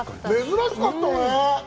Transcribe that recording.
珍しかったね！